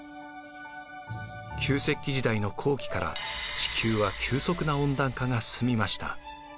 旧石器時代の後期から地球は急速な温暖化が進みました。